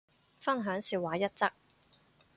分享笑話一則